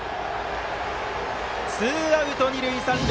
ツーアウト、二塁三塁。